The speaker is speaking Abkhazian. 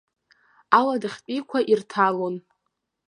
Аладахьтәиқәа ирҭалон.